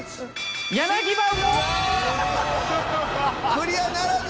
クリアならず。